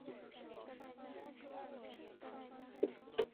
母董氏。